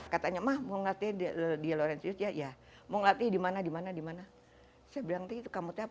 katanya mahmu ngate di lorenzi ya ya mau ngati dimana dimana dimana saya berhenti itu kamu tepat